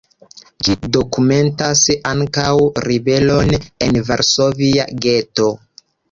Ĝi dokumentas ankaŭ ribelon en varsovia geto.